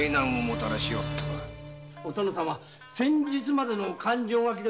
お殿様先日までの勘定書。